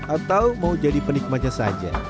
atau mau jadi penikmatnya saja